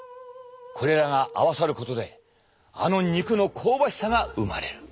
これらが合わさることであの肉の香ばしさが生まれる。